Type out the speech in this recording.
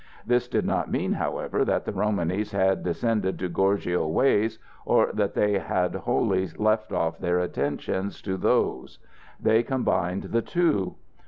This did not mean, however, that the Romanys had descended to gorgio ways, or that they had wholly left off their attentions to "those". They combined the two.